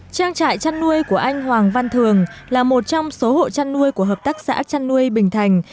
trang trại chăn nuôi của anh hoàng văn thường là một trong số hộ chăn nuôi của hợp tác xã chăn nuôi bình thành